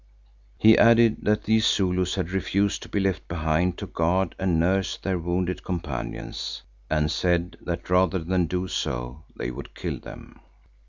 He added that these Zulus had refused to be left behind to guard and nurse their wounded companions, and said that rather than do so, they would kill them.